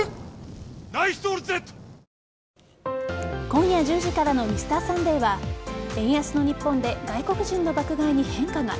今夜１０時からの「Ｍｒ．サンデー」は円安の日本で外国人の爆買いに変化が。